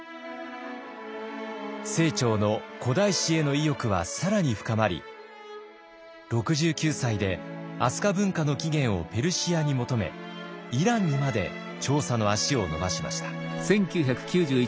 清張の古代史への意欲は更に深まり６９歳で飛鳥文化の起源をペルシアに求めイランにまで調査の足を延ばしました。